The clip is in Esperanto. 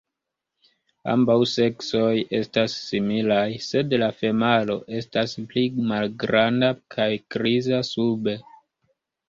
Ambaŭ seksoj estas similaj, sed la femalo estas pli malgranda kaj griza sube.